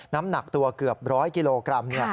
น้ำหนักตัวเกือบ๑๐๐กิโลกรัม